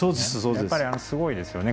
やっぱりすごいですよね。